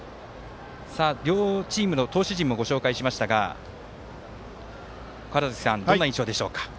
両チームの投手陣もご紹介しましたが、川原崎さんどんな印象でしょうか。